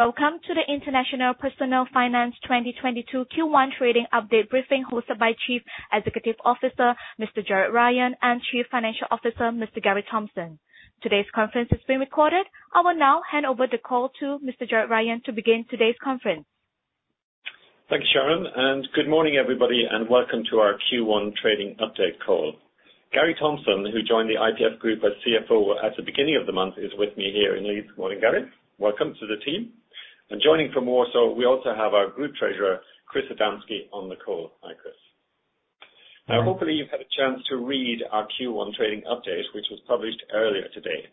Welcome to the International Personal Finance 2022 Q1 trading update briefing hosted by Chief Executive Officer, Mr. Gerard Ryan and Chief Financial Officer, Mr. Gary Thompson. Today's conference is being recorded. I will now hand over the call to Mr. Gerard Ryan to begin today's conference. Thank you, Sharon, and good morning, everybody, and welcome to our Q1 trading update call. Gary Thompson, who joined the IPF group as CFO at the beginning of the month, is with me here in Leeds. Good morning, Gary. Welcome to the team. Joining from Warsaw, we also have our Group Treasurer, Krzysztof Adamski, on the call. Hi, Chris. Now, hopefully, you've had a chance to read our Q1 trading update, which was published earlier today.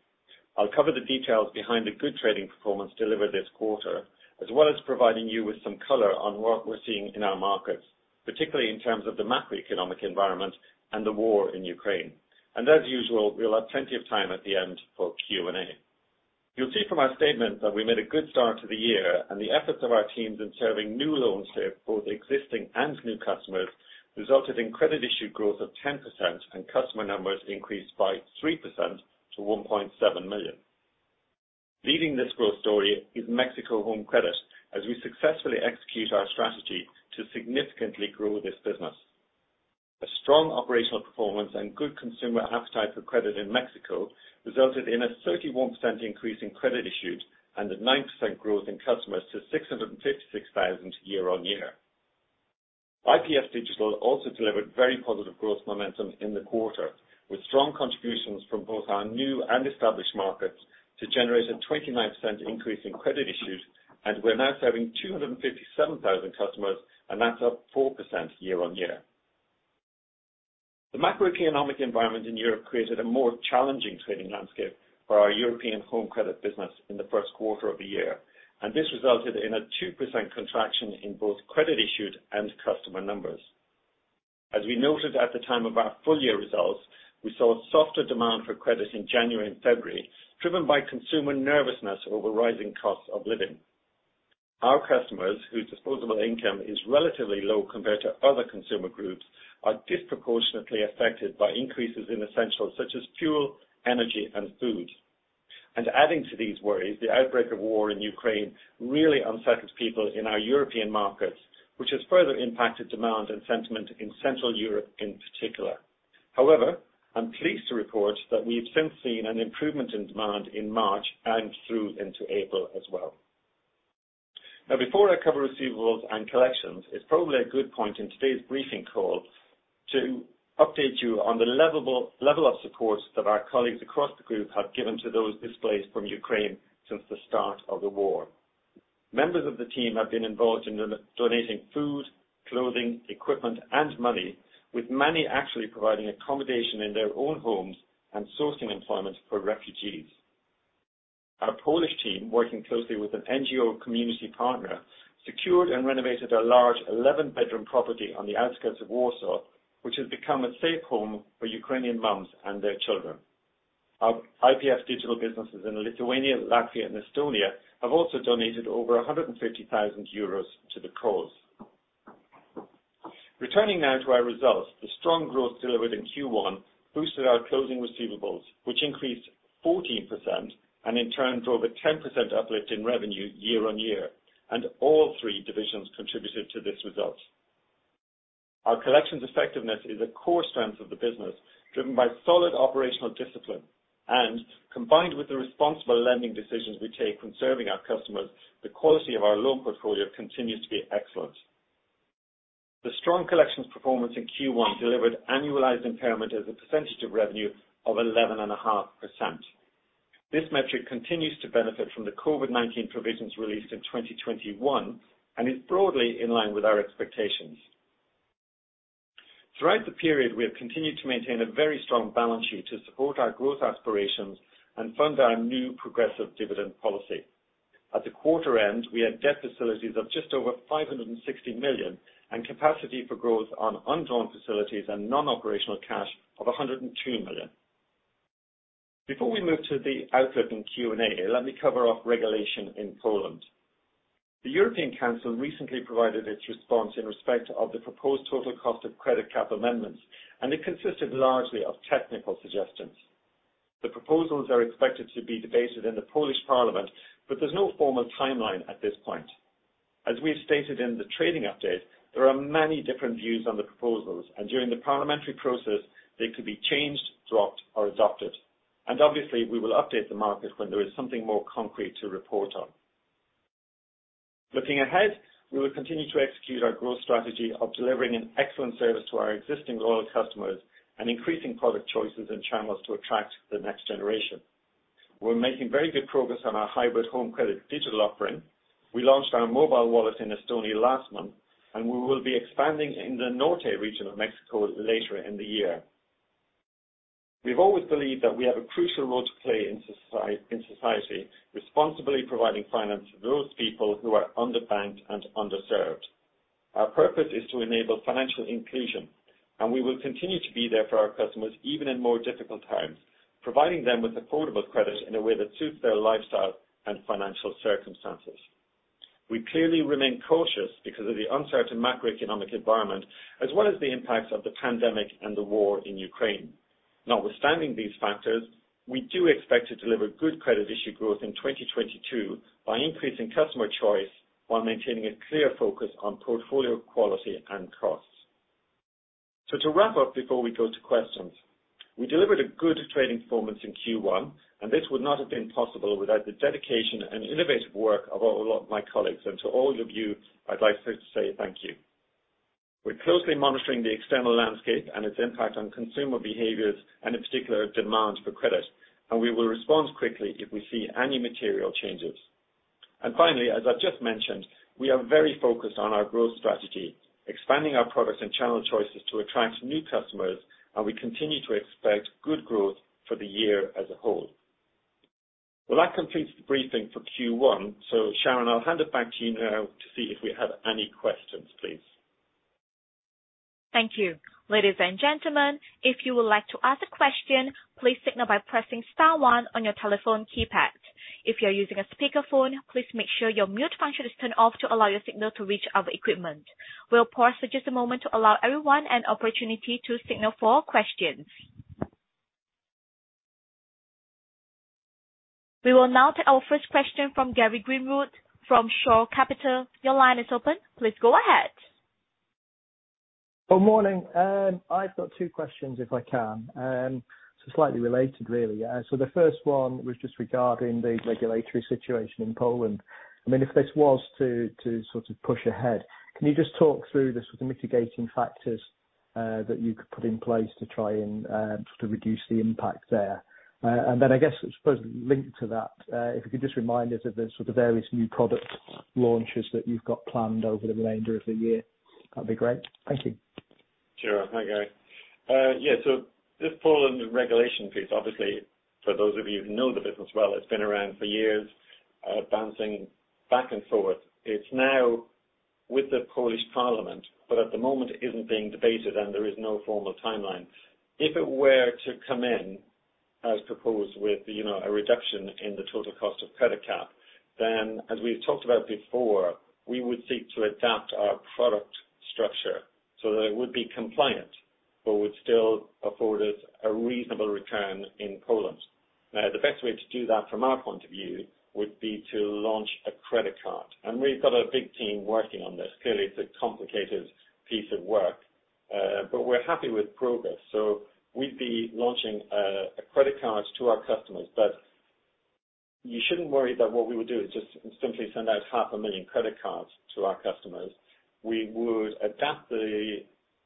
I'll cover the details behind the good trading performance delivered this quarter, as well as providing you with some color on work we're seeing in our markets, particularly in terms of the macroeconomic environment and the war in Ukraine. As usual, we'll have plenty of time at the end for Q&A. You'll see from our statement that we made a good start to the year, and the efforts of our teams in serving new loans to both existing and new customers resulted in credit issue growth of 10% and customer numbers increased by 3% to 1.7 million. Leading this growth story is Mexico Home Credit, as we successfully execute our strategy to significantly grow this business. A strong operational performance and good consumer appetite for credit in Mexico resulted in a 31% increase in credit issued and a 9% growth in customers to 656,000 year-on-year. IPF Digital also delivered very positive growth momentum in the quarter, with strong contributions from both our new and established markets to generate a 29% increase in credit issues. We're now serving 257,000 customers, and that's up 4% year-on-year. The macroeconomic environment in Europe created a more challenging trading landscape for our European home credit business in the first quarter of the year, and this resulted in a 2% contraction in both credit issued and customer numbers. As we noted at the time of our full year results, we saw a softer demand for credit in January and February, driven by consumer nervousness over rising costs of living. Our customers, whose disposable income is relatively low compared to other consumer groups, are disproportionately affected by increases in essentials such as fuel, energy, and food. Adding to these worries, the outbreak of war in Ukraine really unsettles people in our European markets, which has further impacted demand and sentiment in Central Europe in particular. However, I'm pleased to report that we've since seen an improvement in demand in March and through into April as well. Now before I cover receivables and collections, it's probably a good point in today's briefing call to update you on the level of support that our colleagues across the group have given to those displaced from Ukraine since the start of the war. Members of the team have been involved in donating food, clothing, equipment, and money, with many actually providing accommodation in their own homes and sourcing employment for refugees. Our Polish team, working closely with an NGO community partner, secured and renovated a large 11-bedroom property on the outskirts of Warsaw, which has become a safe home for Ukrainian moms and their children. Our IPF Digital businesses in Lithuania, Latvia, and Estonia have also donated over 150,000 euros to the cause. Returning now to our results, the strong growth delivered in Q1 boosted our closing receivables, which increased 14% and in turn drove a 10% uplift in revenue year-on-year. All three divisions contributed to this result. Our collections effectiveness is a core strength of the business, driven by solid operational discipline. Combined with the responsible lending decisions we take when serving our customers, the quality of our loan portfolio continues to be excellent. The strong collections performance in Q1 delivered annualized impairment as a percentage of revenue of 11.5%. This metric continues to benefit from the COVID-19 provisions released in 2021 and is broadly in line with our expectations. Throughout the period, we have continued to maintain a very strong balance sheet to support our growth aspirations and fund our new progressive dividend policy. At the quarter end, we had debt facilities of just over 560 million and capacity for growth on undrawn facilities and non-operational cash of 102 million. Before we move to the outlook and Q&A, let me cover off regulation in Poland. The European Parliament recently provided its response in respect of the proposed total cost of credit cap amendments, and it consisted largely of technical suggestions. The proposals are expected to be debated in the Polish Parliament, but there's no formal timeline at this point. As we have stated in the trading update, there are many different views on the proposals, and during the parliamentary process, they could be changed, dropped or adopted. Obviously, we will update the market when there is something more concrete to report on. Looking ahead, we will continue to execute our growth strategy of delivering an excellent service to our existing loyal customers and increasing product choices and channels to attract the next generation. We're making very good progress on our hybrid home credit digital offering. We launched our mobile wallet in Estonia last month, and we will be expanding in the Norte region of Mexico later in the year. We've always believed that we have a crucial role to play in society, responsibly providing finance to those people who are underbanked and underserved. Our purpose is to enable financial inclusion, and we will continue to be there for our customers, even in more difficult times, providing them with affordable credit in a way that suits their lifestyle and financial circumstances. We clearly remain cautious because of the uncertain macroeconomic environment as well as the impacts of the pandemic and the war in Ukraine. Notwithstanding these factors, we do expect to deliver good credit issue growth in 2022 by increasing customer choice while maintaining a clear focus on portfolio quality and costs. To wrap up before we go to questions, we delivered a good trading performance in Q1, and this would not have been possible without the dedication and innovative work of all of my colleagues. To all of you, I'd like to say thank you. We're closely monitoring the external landscape and its impact on consumer behaviors, and in particular, demand for credit, and we will respond quickly if we see any material changes. Finally, as I've just mentioned, we are very focused on our growth strategy, expanding our products and channel choices to attract new customers, and we continue to expect good growth for the year as a whole. Well, that completes the briefing for Q1. Sharon, I'll hand it back to you now to see if we have any questions, please. Thank you. Ladies and gentlemen, if you would like to ask a question, please signal by pressing star one on your telephone keypad. If you're using a speakerphone, please make sure your mute function is turned off to allow your signal to reach our equipment. We'll pause for just a moment to allow everyone an opportunity to signal for questions. We will now take our first question from Gary Greenwood from Shore Capital. Your line is open. Please go ahead. Good morning. I've got two questions, if I can. Slightly related, really. The first one was just regarding the regulatory situation in Poland. I mean, if this was to sort of push ahead, can you just talk through the sort of mitigating factors that you could put in place to try and sort of reduce the impact there? I guess, I suppose, linked to that, if you could just remind us of the sort of various new product launches that you've got planned over the remainder of the year. That'd be great. Thank you. Sure. Hi, Gary. Yeah, this Poland regulation piece, obviously for those of you who know the business well, it's been around for years, bouncing back and forth. It's now with the Polish parliament, but at the moment it isn't being debated and there is no formal timeline. If it were to come in as proposed with, you know, a reduction in the total cost of credit cap, then as we've talked about before, we would seek to adapt our product structure so that it would be compliant but would still afford us a reasonable return in Poland. Now, the best way to do that from our point of view would be to launch a credit card. We've got a big team working on this. Clearly, it's a complicated piece of work, but we're happy with progress. We'd be launching a credit card to our customers. You shouldn't worry that what we would do is just simply send out 500,000 credit cards to our customers. We would adapt the,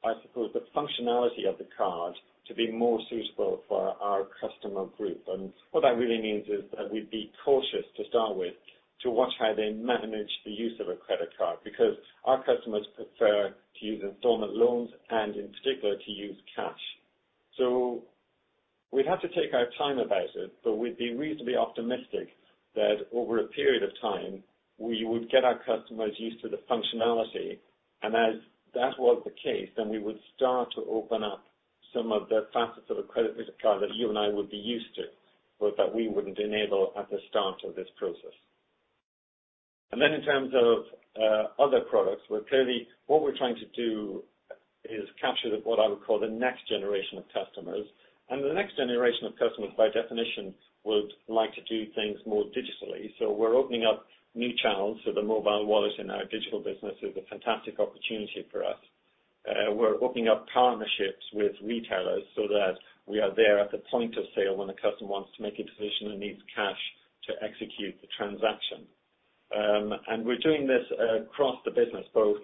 I suppose, the functionality of the card to be more suitable for our customer group. What that really means is that we'd be cautious to start with to watch how they manage the use of a credit card, because our customers prefer to use installment loans and, in particular, to use cash. We'd have to take our time about it, but we'd be reasonably optimistic that over a period of time we would get our customers used to the functionality. As that was the case, then we would start to open up some of the facets of a credit card that you and I would be used to, but that we wouldn't enable at the start of this process. Then in terms of other products, well clearly what we're trying to do is capture the, what I would call the next generation of customers. The next generation of customers, by definition, would like to do things more digitally. We're opening up new channels. The mobile wallet in our digital business is a fantastic opportunity for us. We're opening up partnerships with retailers so that we are there at the point of sale when a customer wants to make a decision and needs cash to execute the transaction. We're doing this across the business both.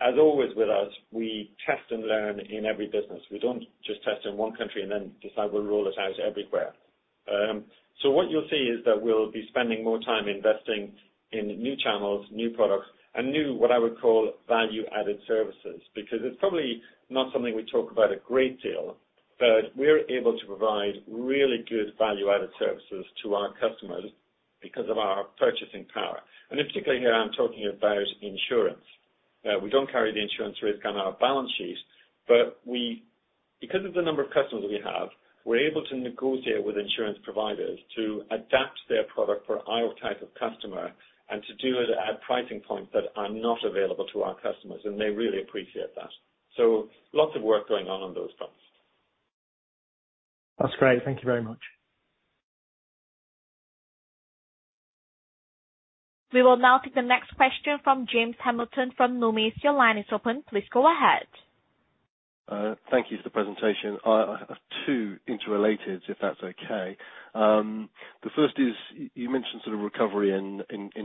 As always with us, we test and learn in every business. We don't just test in one country and then decide we'll roll it out everywhere. What you'll see is that we'll be spending more time investing in new channels, new products, and new, what I would call value-added services. Because it's probably not something we talk about a great deal, but we're able to provide really good value-added services to our customers because of our purchasing power. In particular here, I'm talking about insurance. We don't carry the insurance risk on our balance sheets, but because of the number of customers we have, we're able to negotiate with insurance providers to adapt their product for our type of customer and to do it at pricing points that are not available to our customers, and they really appreciate that. Lots of work going on those fronts. That's great. Thank you very much. We will now take the next question from James Hamilton from Numis. Your line is open. Please go ahead. Thank you for the presentation. I have two interrelated, if that's okay. The first is you mentioned sort of recovery in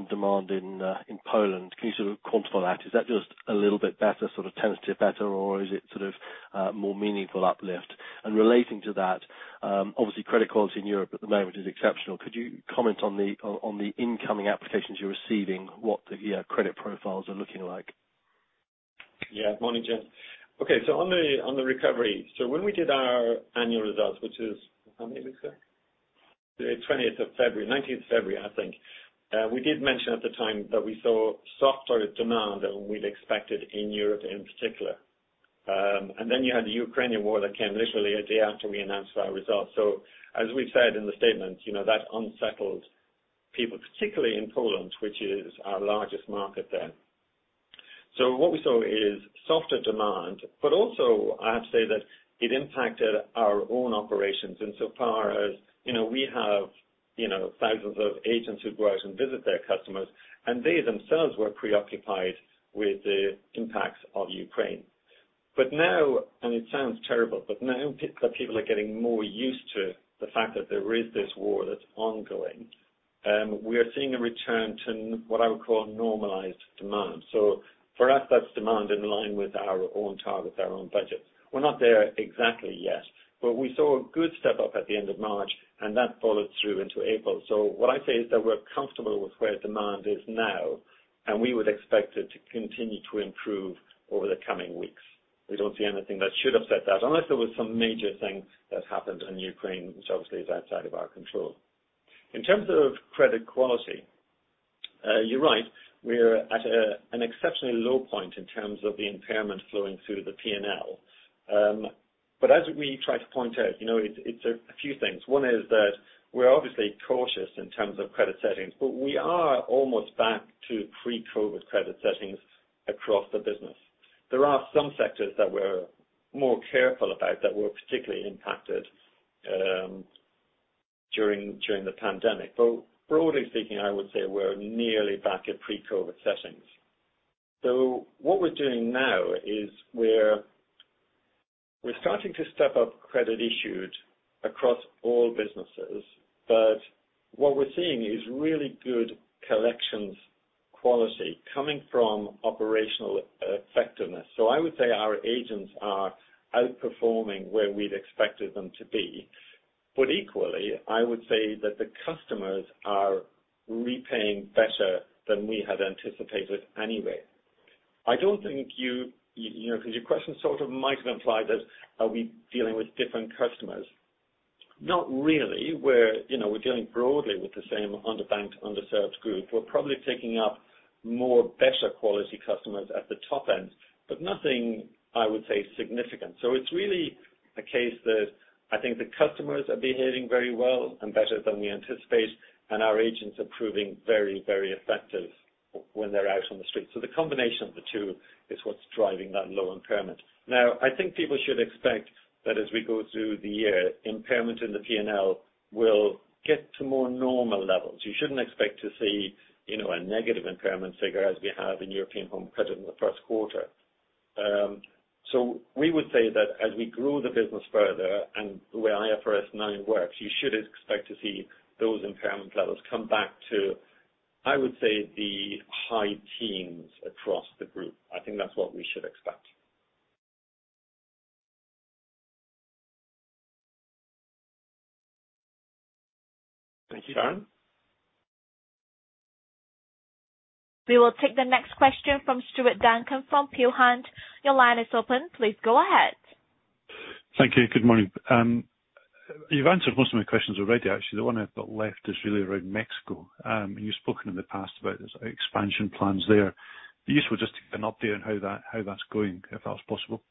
demand in Poland. Can you sort of quantify that? Is that just a little bit better, sort of tentative better, or is it sort of more meaningful uplift? Relating to that, obviously credit quality in Europe at the moment is exceptional. Could you comment on the incoming applications you're receiving, what the credit profiles are looking like? Morning, James. Okay, on the recovery. When we did our annual results, which is how many weeks ago? The 20th of February. Nineteenth of February, I think. We did mention at the time that we saw softer demand than we'd expected in Europe in particular. Then you had the Ukrainian war that came literally a day after we announced our results. As we said in the statement, you know, that unsettled people, particularly in Poland, which is our largest market there. What we saw is softer demand, but also I have to say that it impacted our own operations insofar as, you know, we have, you know, thousands of agents who go out and visit their customers, and they themselves were preoccupied with the impacts of Ukraine. Now, and it sounds terrible, but now people are getting more used to the fact that there is this war that's ongoing, we are seeing a return to what I would call normalized demand. For us, that's demand in line with our own targets, our own budgets. We're not there exactly yet, but we saw a good step up at the end of March, and that followed through into April. What I'd say is that we're comfortable with where demand is now, and we would expect it to continue to improve over the coming weeks. We don't see anything that should upset that unless there was some major thing that happened in Ukraine, which obviously is outside of our control. In terms of credit quality, you're right, we're at an exceptionally low point in terms of the impairment flowing through the P&L. As we try to point out, you know, it's a few things. One is that we're obviously cautious in terms of credit settings, but we are almost back to pre-COVID credit settings across the business. There are some sectors that we're more careful about that were particularly impacted during the pandemic. Broadly speaking, I would say we're nearly back at pre-COVID settings. What we're doing now is we're starting to step up credit issued across all businesses. What we're seeing is really good collections quality coming from operational effectiveness. I would say our agents are outperforming where we'd expected them to be. Equally, I would say that the customers are repaying better than we had anticipated anyway. I don't think you know, 'cause your question sort of might have implied that are we dealing with different customers? Not really. We're, you know, dealing broadly with the same underbanked, underserved group. We're probably taking up more better quality customers at the top end, but nothing, I would say, significant. It's really a case that I think the customers are behaving very well and better than we anticipate, and our agents are proving very effective when they're out on the street. The combination of the two is what's driving that low impairment. Now, I think people should expect that as we go through the year, impairment in the P&L will get to more normal levels. You shouldn't expect to see, you know, a negative impairment figure as we have in European home credit in the first quarter. We would say that as we grow the business further and the way IFRS 9 works, you should expect to see those impairment levels come back to, I would say, the high teens across the group. I think that's what we should expect. Thank you. Darren? We will take the next question from Stuart Duncan from Peel Hunt. Your line is open. Please go ahead. Thank you. Good morning. You've answered most of my questions already, actually. The one I've got left is really around Mexico. You've spoken in the past about expansion plans there. It would be useful just to get an update on how that's going, if that was possible.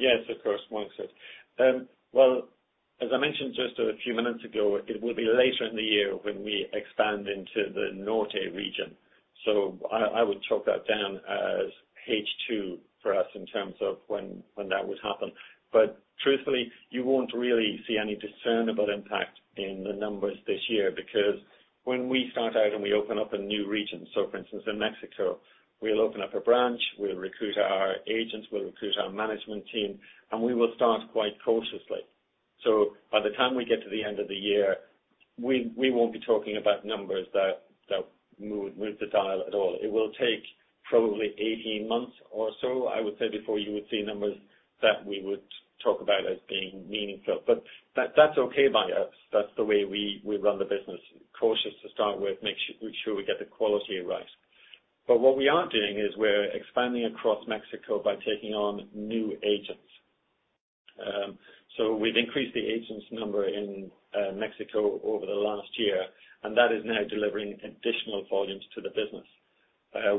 Yes, of course. Makes sense. Well, as I mentioned just a few minutes ago, it will be later in the year when we expand into the Norte region. I would chalk that down as H2 for us in terms of when that would happen. Truthfully, you won't really see any discernible impact in the numbers this year because when we start out and we open up a new region, so for instance in Mexico, we'll open up a branch, we'll recruit our agents, we'll recruit our management team, and we will start quite cautiously. By the time we get to the end of the year, we won't be talking about numbers that move the dial at all. It will take probably 18 months or so, I would say, before you would see numbers that we would talk about as being meaningful. That's okay by us. That's the way we run the business. Cautious to start with, make sure we get the quality right. What we are doing is we're expanding across Mexico by taking on new agents. We've increased the agents number in Mexico over the last year, and that is now delivering additional volumes to the business.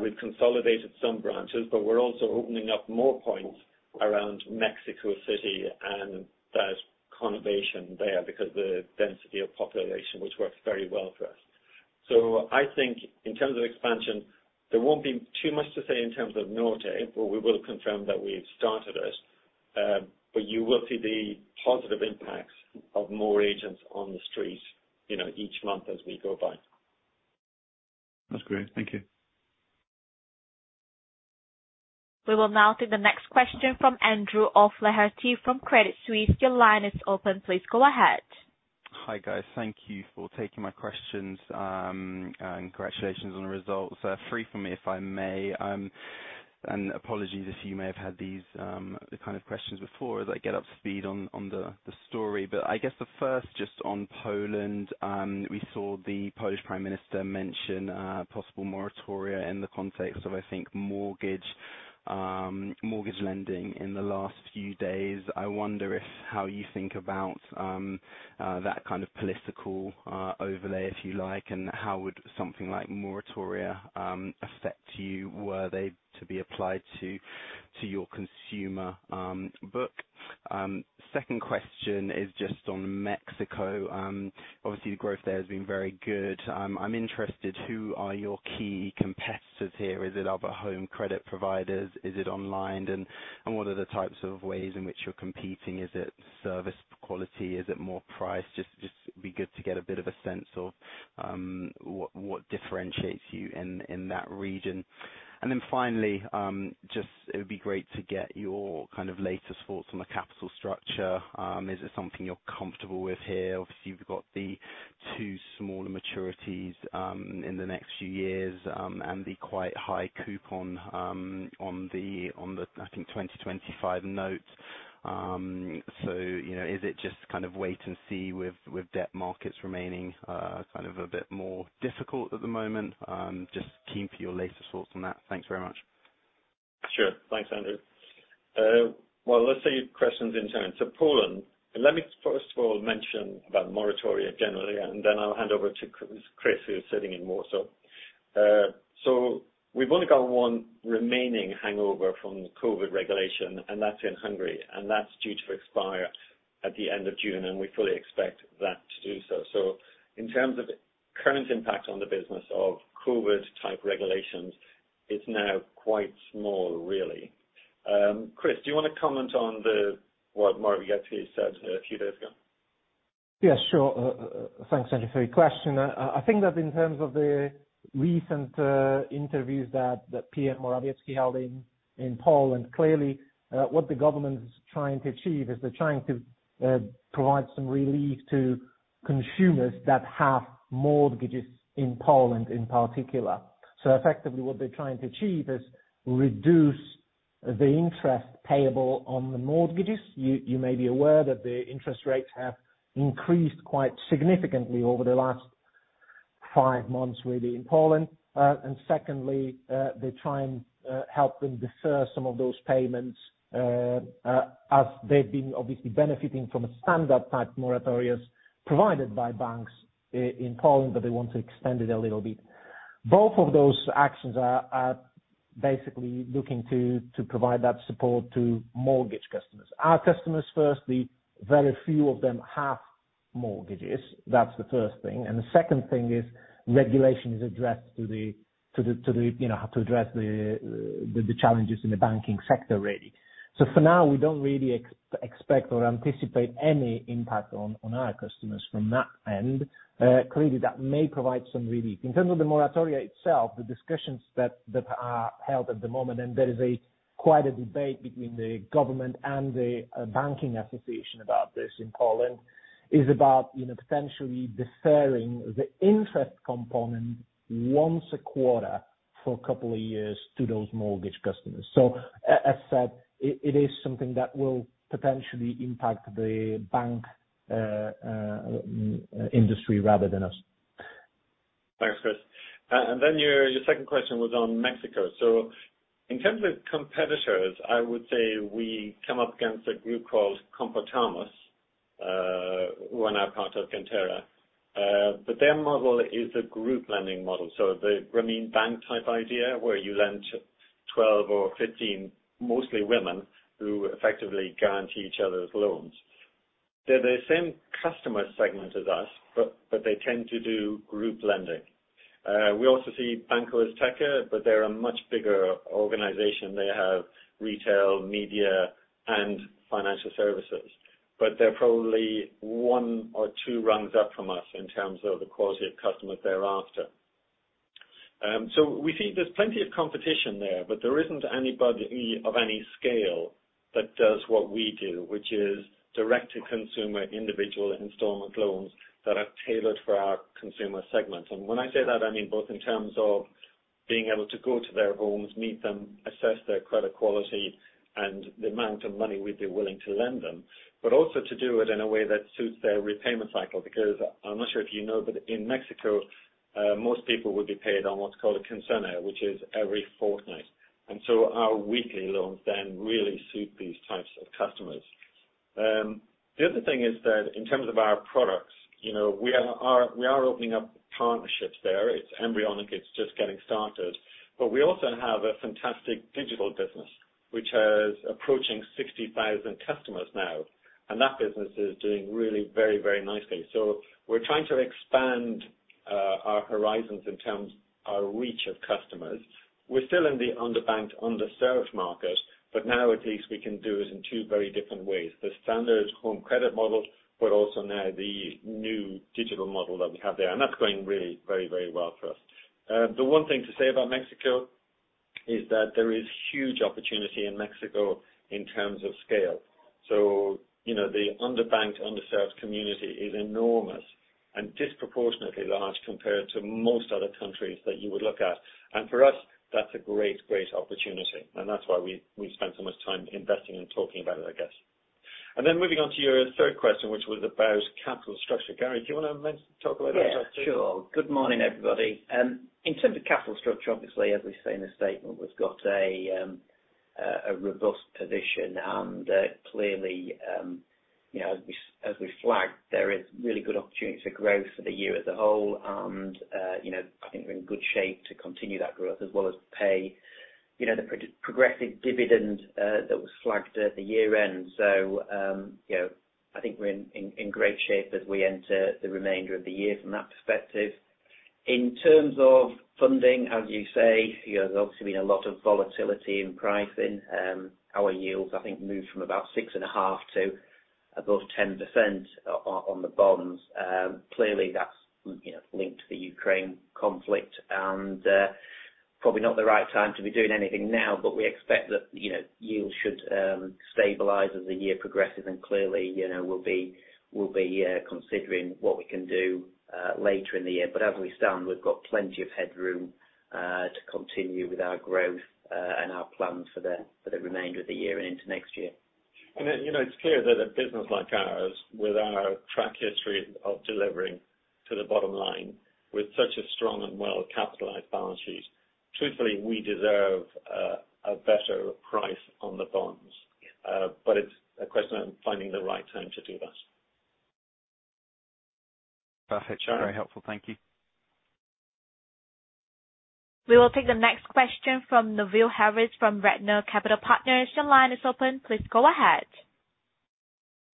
We've consolidated some branches, but we're also opening up more points around Mexico City and that conurbation there because the density of population, which works very well for us. I think in terms of expansion, there won't be too much to say in terms of Norte, but we will confirm that we've started it. You will see the positive impacts of more agents on the street, you know, each month as we go by. That's great. Thank you. We will now take the next question from Andrew O'Flaherty from Credit Suisse. Your line is open. Please go ahead. Hi, guys. Thank you for taking my questions, and congratulations on the results. Three from me, if I may. Apologies if you may have had these, the kind of questions before as I get up to speed on the story. I guess the first just on Poland, we saw the Polish Prime Minister mention possible moratoria in the context of, I think, mortgage lending in the last few days. I wonder if how you think about that kind of political overlay, if you like, and how would something like moratoria affect you were they to be applied to your consumer book? Second question is just on Mexico. Obviously the growth there has been very good. I'm interested, who are your key competitors here? Is it other home credit providers? Is it online? What are the types of ways in which you're competing? Is it service quality? Is it more price? Just be good to get a bit of a sense of what differentiates you in that region. Then finally, just it would be great to get your kind of latest thoughts on the capital structure. Is it something you're comfortable with here? Obviously, you've got the two smaller maturities in the next few years and the quite high coupon on the, I think 2025 notes. You know, is it just kind of wait and see with debt markets remaining kind of a bit more difficult at the moment? Just keen for your latest thoughts on that. Thanks very much. Sure. Thanks, Andrew. Well, let's say your questions in turn. Poland. Let me first of all mention about the moratoria generally, and then I'll hand over to Chris who is sitting in Warsaw. We've only got one remaining hangover from the COVID regulation, and that's in Hungary, and that's due to expire at the end of June, and we fully expect that to do so. In terms of current impact on the business of COVID type regulations, it's now quite small, really. Chris, do you wanna comment on what Morawiecki said a few days ago? Yeah, sure. Thanks, Andrew, for your question. I think that in terms of the recent interviews that PM Morawiecki held in Poland, clearly, what the government is trying to achieve is they're trying to provide some relief to consumers that have mortgages in Poland in particular. Effectively, what they're trying to achieve is reduce the interest payable on the mortgages. You may be aware that the interest rates have increased quite significantly over the last five months, really, in Poland. Secondly, they're trying to help them defer some of those payments, as they've been obviously benefiting from a standard type moratoria provided by banks in Poland, but they want to extend it a little bit. Both of those actions are basically looking to provide that support to mortgage customers. Our customers, firstly, very few of them have mortgages. That's the first thing. The second thing is regulation is addressed to the, you know, how to address the challenges in the banking sector, really. For now, we don't really expect or anticipate any impact on our customers from that end. Clearly, that may provide some relief. In terms of the moratoria itself, the discussions that are held at the moment, and there is quite a debate between the government and the banking association about this in Poland, is about, you know, potentially deferring the interest component once a quarter for a couple of years to those mortgage customers. As said, it is something that will potentially impact the banking industry rather than us. Thanks, Chris. Your second question was on Mexico. In terms of competitors, I would say we come up against a group called Compartamos, who are now part of Gentera. Their model is a group lending model. The Grameen Bank type idea where you lend to 12 or 15, mostly women, who effectively guarantee each other's loans. They're the same customer segment as us, but they tend to do group lending. We also see Banco Azteca, but they're a much bigger organization. They have retail, media, and financial services. They're probably one or two rungs up from us in terms of the quality of customers they're after. We think there's plenty of competition there, but there isn't anybody of any scale that does what we do, which is direct to consumer individual installment loans that are tailored for our consumer segments. When I say that, I mean both in terms of being able to go to their homes, meet them, assess their credit quality and the amount of money we'd be willing to lend them, but also to do it in a way that suits their repayment cycle. Because I'm not sure if you know, but in Mexico, most people would be paid on what's called a quincena, which is every fortnight. Our weekly loans then really suit these types of customers. The other thing is that in terms of our products, you know, we are opening up partnerships there. It's embryonic, it's just getting started. We also have a fantastic digital business which is approaching 60,000 customers now, and that business is doing really very, very nicely. We're trying to expand, our horizons in terms of our reach of customers. We're still in the underbanked, underserved market, but now at least we can do it in two very different ways. The standard home credit model, but also now the new digital model that we have there. That's going really very, very well for us. The one thing to say about Mexico is that there is huge opportunity in Mexico in terms of scale. You know, the underbanked, underserved community is enormous and disproportionately large compared to most other countries that you would look at. For us, that's a great opportunity, and that's why we spend so much time investing and talking about it, I guess. Moving on to your third question, which was about capital structure. Gary, do you wanna talk about that? Yeah, sure. Good morning, everybody. In terms of capital structure, obviously, as we say in the statement, we've got a robust position and clearly. You know, as we flagged, there is really good opportunity for growth for the year as a whole. I think we're in good shape to continue that growth as well as pay the progressive dividend that was flagged at the year-end. I think we're in great shape as we enter the remainder of the year from that perspective. In terms of funding, as you say, there's obviously been a lot of volatility in pricing. Our yields I think moved from about 6.5% to above 10% on the bonds. Clearly that's linked to the Ukraine conflict. Probably not the right time to be doing anything now, but we expect that yields should stabilize as the year progresses. Clearly, you know, we'll be considering what we can do later in the year. As we stand, we've got plenty of headroom to continue with our growth and our plans for the remainder of the year and into next year. You know, it's clear that a business like ours, with our track record of delivering to the bottom line, with such a strong and well-capitalized balance sheet, truthfully, we deserve a better price on the bonds. But it's a question of finding the right time to do that. Perfect. Sure. Very helpful. Thank you. We will take the next question from Nevil Harris from Redburn. Your line is open. Please go ahead.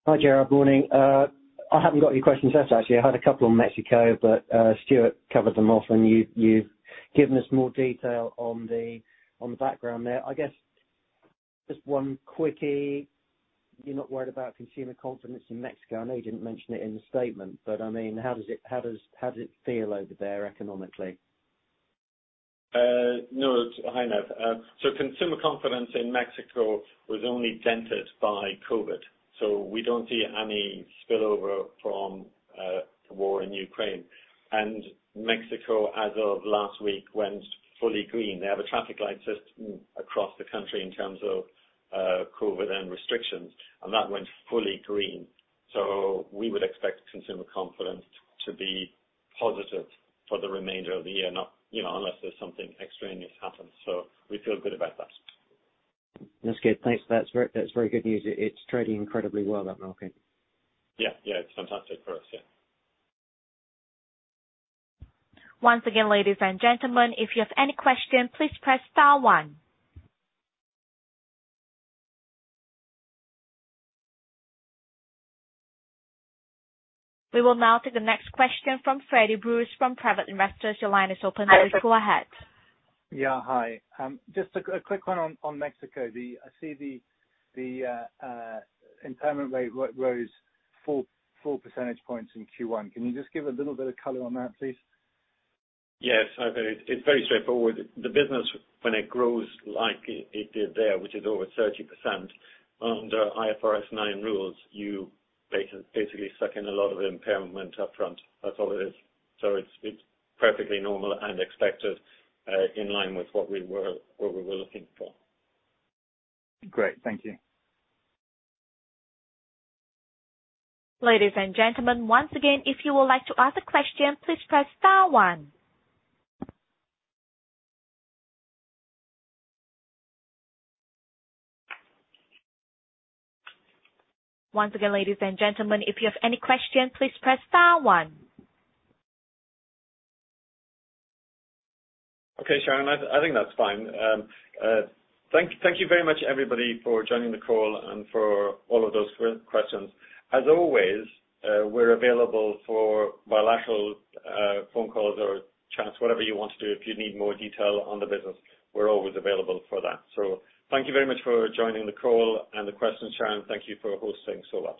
Hi, Gerard. Morning. I haven't got any questions left, actually. I had a couple on Mexico, but Stuart covered them off and you've given us more detail on the background there. I guess just one quickie. You're not worried about consumer confidence in Mexico. I know you didn't mention it in the statement, but I mean, how does it feel over there economically? No. Hi, Nevil. Consumer confidence in Mexico was only dented by COVID. We don't see any spillover from the war in Ukraine. Mexico, as of last week, went fully green. They have a traffic light system across the country in terms of COVID and restrictions, and that went fully green. We would expect consumer confidence to be positive for the remainder of the year, you know, unless there's something extraordinary happens. We feel good about that. That's good. Thanks. That's very good news. It's trading incredibly well, that market. Yeah. Yeah. It's fantastic for us. Yeah. Once again, ladies and gentlemen, if you have any questions, please press star one. We will now take the next question from Freddie Bruce from Private Investors. Your line is open. Please go ahead. Yeah. Hi. Just a quick one on Mexico. I see the impairment rate rose 4 percentage points in Q1. Can you just give a little bit of color on that, please? Yes. It's very straightforward. The business when it grows like it did there, which is over 30%, under IFRS 9 rules, you basically suck in a lot of impairment up front. That's all it is. It's perfectly normal and expected, in line with what we were looking for. Great. Thank you. Ladies and gentlemen, once again, if you would like to ask a question, please press star one. Once again, ladies and gentlemen, if you have any questions, please press star one. Okay, Sharon, I think that's fine. Thank you very much, everybody, for joining the call and for all of those questions. As always, we're available for bilateral phone calls or chats, whatever you want to do. If you need more detail on the business, we're always available for that. Thank you very much for joining the call and the questions. Sharon, thank you for hosting so well.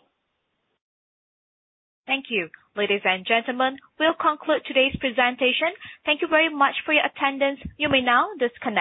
Thank you. Ladies and gentlemen, we'll conclude today's presentation. Thank you very much for your attendance. You may now disconnect.